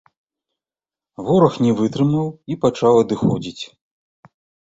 Вораг не вытрымаў і пачаў адыходзіць.